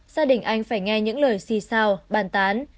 gia đình anh phải nghe những lời xì sao bàn tán